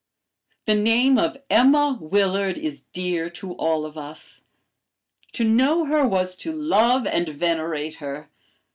The name of Emma Willard is dear to all of us; to know her was to love and venerate her.